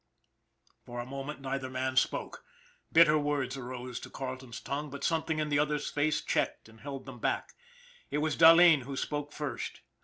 For a moment neither man spoke. Bitter words rose to Carleton's tongue, but something in the other's face checked and held them back. It was Dahleen who spoke first.